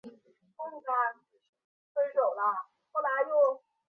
厚木停车区是位于神奈川县厚木市的首都圈中央连络自动车道之休息站。